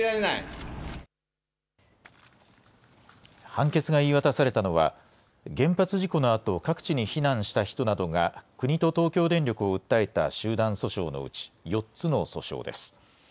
判決が言い渡されたのは、原発事故のあと、各地に避難した人などが、国と東京電力を訴えた集団訴訟のうち、４つの訴訟です。